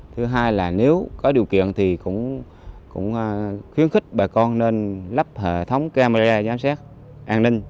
thứ hai là nếu có điều kiện thì cũng khuyến khích bà con nên lắp hệ thống camera giám sát an ninh